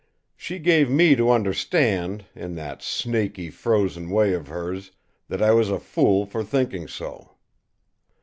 She gave me to understand, in that snaky, frozen way of hers, that I was a fool for thinking so.